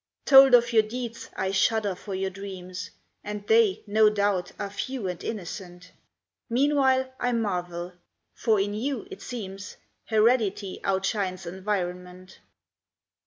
Told of your deeds I shudder for your dreams, And they, no doubt, are few and innocent. Meanwhile, I marvel; for in you, it seems, Heredity outshines environment.